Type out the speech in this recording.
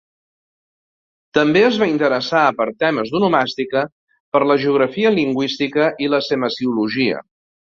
També es va interessar per temes d'onomàstica, per la geografia lingüística i la semasiologia.